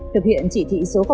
thực hiện chỉ thị số hai